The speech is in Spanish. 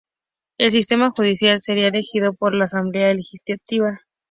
El sistema judicial, sería elegido por la Asamblea Legislativa.